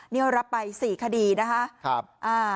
เนี่ยรับไป๔คดีนะฮะครับ